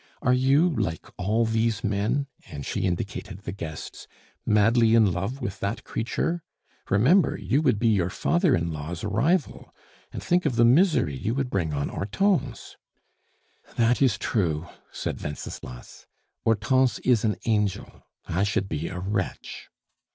Are you, like all these men," and she indicated the guests, "madly in love with that creature? Remember, you would be your father in law's rival. And think of the misery you would bring on Hortense." "That is true," said Wenceslas. "Hortense is an angel; I should be a wretch."